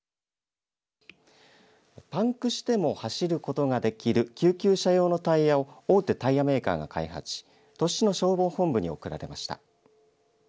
パンクしても走ることができる救急車用のタイヤを大手タイヤメーカーが開発し鳥栖市の消防本部に贈られました。